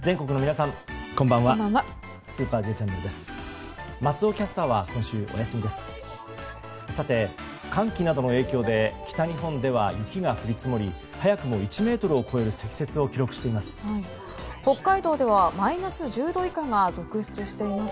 さて、寒気などの影響で北日本では雪が降り積もり早くも１ｍを超える積雪を記録しています。